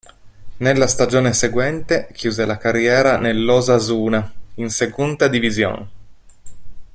Nella stagione seguente chiuse la carriera nell'Osasuna, in Segunda División.